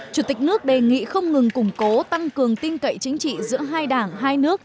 chủ tịch nước đề nghị không ngừng củng cố tăng cường tin cậy chính trị giữa hai đảng hai nước